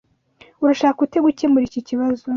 Urashaka ute gukemura iki kibazo?